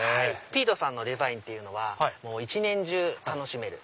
ピィトさんのデザインっていうは一年中楽しめる。